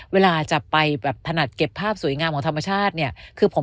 เวลาจะไปแบบถนัดเก็บภาพสวยงามของธรรมชาติเนี่ยคือผม